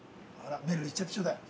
めるる、行っちゃってちょうだい。